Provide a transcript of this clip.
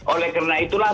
oleh karena itulah